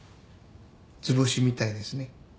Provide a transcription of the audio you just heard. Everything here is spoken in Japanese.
図星みたいですね。